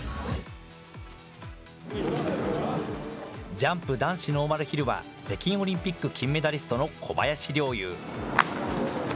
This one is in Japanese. ジャンプ男子ノーマルヒルは北京オリンピック金メダリストの小林陵侑。